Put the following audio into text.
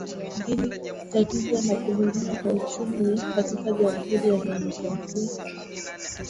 dili tatizo la kudorora kwa uchumi katika jamhuri ya demokrasia